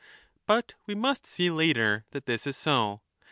But we must see later that this is so.